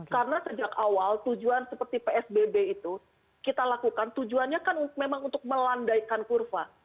karena sejak awal tujuan seperti psbb itu kita lakukan tujuannya kan memang untuk melandaikan kurva